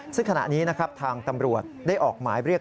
ซึ่งขณะนี้นะครับทางตำรวจได้ออกหมายเรียก